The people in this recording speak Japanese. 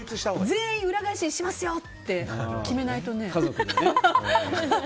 全員、裏返しにしますよって決めないとね。